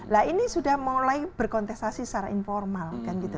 nah ini sudah mulai berkontestasi secara informal